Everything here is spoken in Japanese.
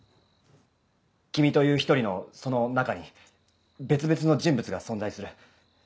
君という１人のその中に別々の人物が存在する。